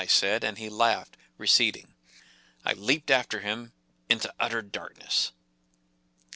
said, and he laughed, receding. I leapt after him—into utter darkness.